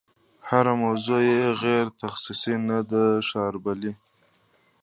هره موضوع یې غیر تخصصي نه ده شاربلې.